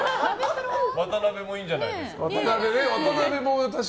ワタナベもいいんじゃないですか。